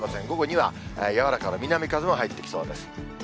午後にはやわらかな南風も入ってきそうです。